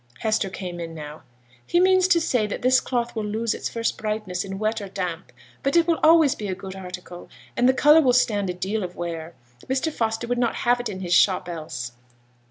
Hester came in now. 'He means to say that this cloth will lose its first brightness in wet or damp; but it will always be a good article, and the colour will stand a deal of wear. Mr. Foster would not have had it in his shop else.'